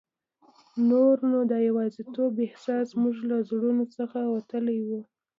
نور نو د یوازیتوب احساس زموږ له زړونو څخه وتلی وو.